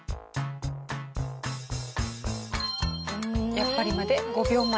「やっぱり！」まで５秒前。